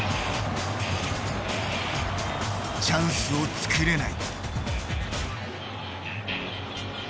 チャンスをつくれない。